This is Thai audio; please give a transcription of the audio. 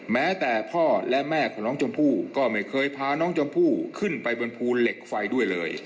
แม้แต่พ่อและแม่ของน้องชมพู่ก็ไม่เคยพาน้องชมพู่ขึ้นไปบนภูเหล็กไฟด้วยเลย